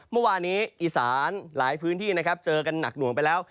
เมื่อวานนี้อีสานหลายพื้นที่นะครับเจอกันหนักหน่วงไปแล้ว